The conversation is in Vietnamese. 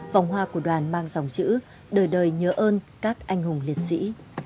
vòng hoa của đoàn mang dòng chữ đời đời nhớ ơn các anh hùng liệt sĩ